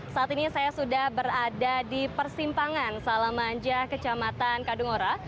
saat ini saya sudah berada di persimpangan salamanja kecamatan kadungora